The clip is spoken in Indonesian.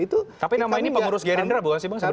tapi nama ini pengurus gerindra bukan sih bang sandi